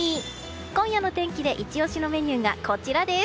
今夜の天気でイチ押しのメニューがこちらです。